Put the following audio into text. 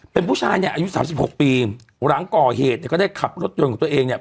เป็นผู้ชายเนี่ยอายุสามสิบหกปีหลังก่อเหตุเนี่ยก็ได้ขับรถยนต์ของตัวเองเนี่ย